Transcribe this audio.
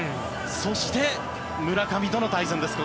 そして、村上との対戦です。